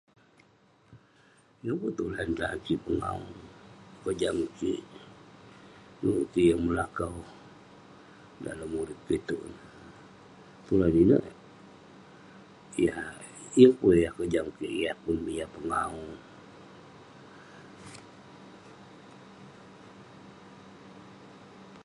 Yeng pun tulan tan kik pengawu, kojam kik. Dekuk kik yeng melakau dalem urip itouk ineh. Tulan inouk eh- yah yeng pun yah kojam kik tulan yah pun yah pengawu.